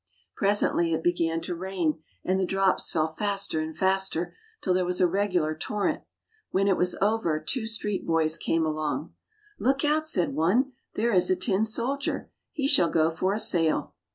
Presently it began to rain, and the drops fell faster and faster, till there was a regular torrent. When it was over two street boys came along. " Look out!" said one; " there is a tin soldier! He shall go for a sail."